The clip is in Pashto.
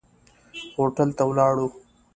هوټل ته ولاړو.